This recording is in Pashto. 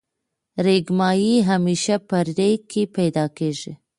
ریګ ماهی همیشه په ریګ کی پیدا کیږی.